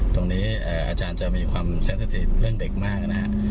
ตรงนี้อาจารย์จะมีความแช่งสถิติเรื่องเด็กมากนะครับ